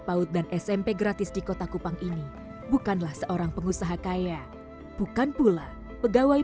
jangan lupa untuk berlangganan dan berlangganan